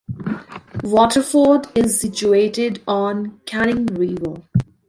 Waterford is situated on the Canning River.